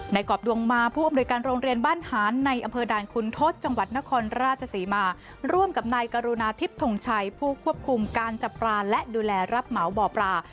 กรอบดวงมาผู้อำนวยการโรงเรียนบ้านหานในอำเภอด่านคุณทศจังหวัดนครราชศรีมาร่วมกับนายกรุณาทิพย์ทงชัยผู้ควบคุมการจับปลาและดูแลรับเหมาบ่อปลา